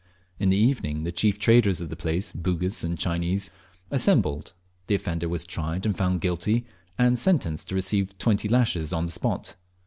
In the evening the chief traders of the place, Bugis and Chinese, assembled, the offender was tried and found guilty, and sentenced to receive twenty lashes on the spot.